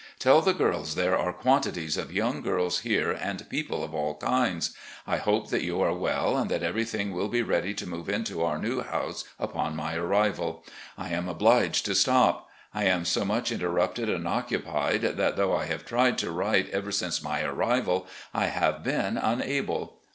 Tell the girls there are quantities of yoimg girls here and people of all kinds. I hope that you are all well, and that ever3rthing will be ready to move into our new house upon my arrival. I am obliged to stop. I am so much interrupted and occupied that, though I have tried to write ever since my arrival, I have been tuiable.